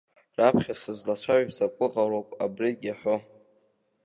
Раԥхьа сызлацәажәоз аҟәыӷароуп абригь иаҳәо.